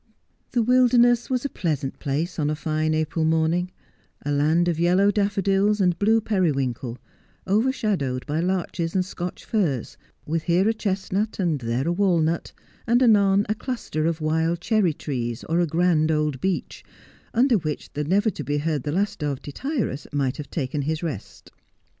Who can Minister to a Mind Diseased ? 197 The wilderness was a pleasant place on a fine April morning, a land of yellow daffodils and blue periwinkle, overshadowed by larches and Scotch firs, with here a chestnut, and there a walnut, and anon a cluster of wild cherry trees, or a grand old beech, under which the never to be heard the last of Tityrus might have taken his rest.